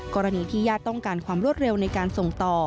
กรณีที่ญาติต้องการความรวดเร็วในการส่งต่อ